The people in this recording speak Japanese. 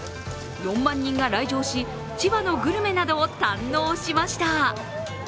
４万人が来場し、千葉のグルメなどを堪能しました。